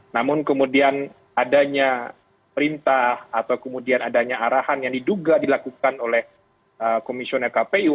namun kemudian adanya perintah atau kemudian adanya arahan yang diduga dilakukan oleh komisioner kpu